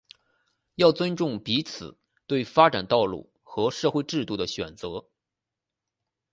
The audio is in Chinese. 要尊重彼此对发展道路和社会制度的选择